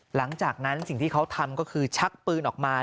หลังจากนั้นสิ่งที่เขาทำก็คือชักปืนออกมา